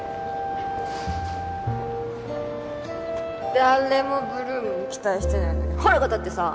誰も ８ＬＯＯＭ に期待してないのに腹が立ってさ